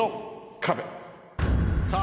さあ